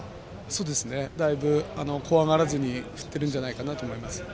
そうですね、だいぶ怖がらずに振ってるんじゃないかと思います。